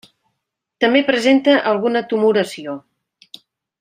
També presenta alguna tumoració.